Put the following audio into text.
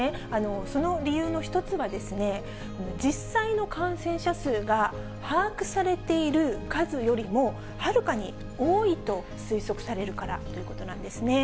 その理由の一つがですね、実際の感染者数が把握されている数よりもはるかに多いと推測されるからということなんですね。